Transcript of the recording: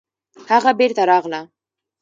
هغه بېرته راغله